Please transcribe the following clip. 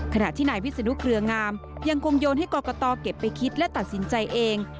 ขณะที่นายวิศนุเครืองามยังคงโยนให้กรกตเก็บไปคิดและตัดสินใจเอง